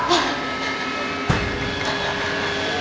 อุ๊ย